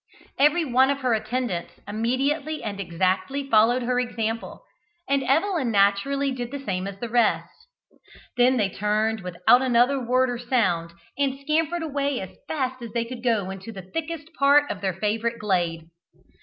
Every one of her attendants immediately and exactly followed her example, and Evelyn naturally did the same as the rest. Then they turned without another word or sound, and scampered away as fast as they could go into the thickest part of their favourite glade.